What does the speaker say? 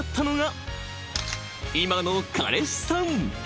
［今の彼氏さん］